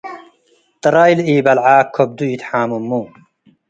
ጥራይ ለኢበልዐ ከብዱ ኢተሓምሙ።